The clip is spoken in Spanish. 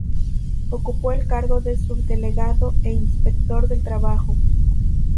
Ocupó el cargo de subdelegado e inspector del trabajo.